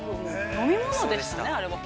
飲み物でしたね、あれは。